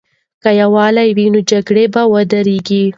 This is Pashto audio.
که یووالی وي، نو جګړه به ودریږي.